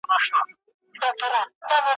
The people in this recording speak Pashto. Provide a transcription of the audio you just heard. یو څه وخت یې په ځالۍ کي لویومه .